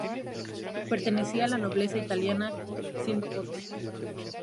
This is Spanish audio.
Pertenecía a la nobleza italiana, siendo conde.